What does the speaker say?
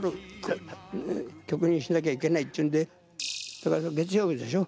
だから月曜日でしょ。